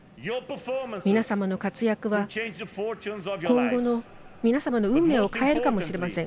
皆様の活躍は、今後の皆様の運命を変えるかもしれません。